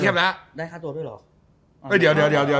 ก็ได้ภาคตัวแล้วหรอ